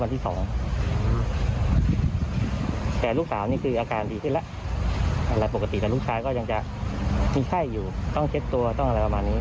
แต่ลูกสาวนี่คืออาการดีขึ้นแล้วอะไรปกติแต่ลูกชายก็ยังจะมีไข้อยู่ต้องเช็ดตัวต้องอะไรประมาณนี้